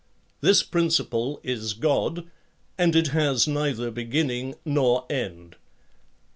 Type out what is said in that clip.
is principle is god, and it has neither beginning nor end.